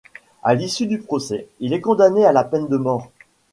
À l’issue du procès, il est condamné à la peine de mort.